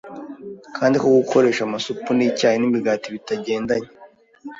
kandi ko gukoresha amasupu, icyayi n’imigati bitagendanye